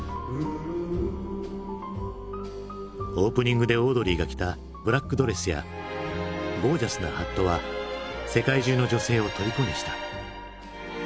オープニングでオードリーが着たブラックドレスやゴージャスなハットは世界中の女性をとりこにした。